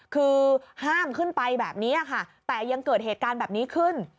คือห้ามขึ้นไปแบบนี้ค่ะแต่ยังเกิดเหตุการณ์แบบนี้ขึ้น